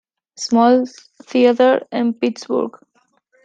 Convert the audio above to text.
Smalls Theater en Pittsburgh.